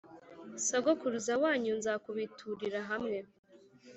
sogokuruza wanyu nzakubiturira hamwe